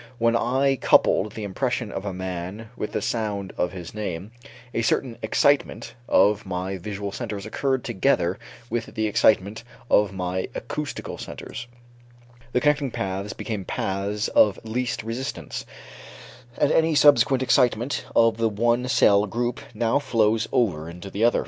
When I coupled the impression of a man with the sound of his name, a certain excitement of my visual centers occurred together with the excitement of my acoustical centers; the connecting paths became paths of least resistance, and any subsequent excitement of the one cell group now flows over into the other.